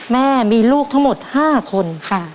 แม่มีลูกทั้งหมด๕คน